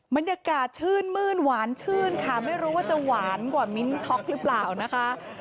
บรรยากาศชื่นมื้นหวานชื่นค่ะไม่รู้ว่าจะหวานกว่ามิ้นช็อกหรือเปล่านะคะ